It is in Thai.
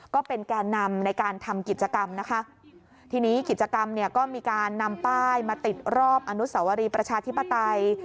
ก็เป็นแก่นำในการทำกิจกรรมนะคะทีนี้กิจกรรมเนี่ยก็มีการนำป้ายมาติดรอบอนุสวรีประชาธิปไตย